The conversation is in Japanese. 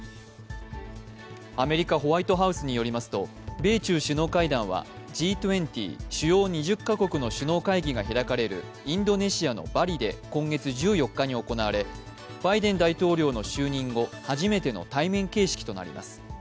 アメリカホワイトハウスによりますと米中首脳会談はＧ２０＝主要２０か国の首脳会議が開かれるインドネシアのバリで今月１４日に行われバイデン大統領の就任後初めての対面形式となります。